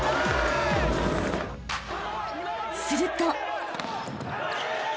［すると］